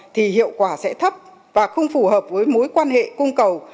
thì hiệu quả sẽ thấp và không phù hợp với mối quan hệ cung cầu